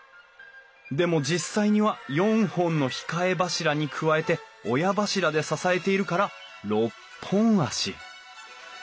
でも実際には４本の控え柱に加えて親柱で支えているから６本脚。